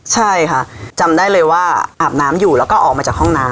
ใช่ค่ะจำได้เลยว่าอาบน้ำอยู่แล้วก็ออกมาจากห้องน้ำ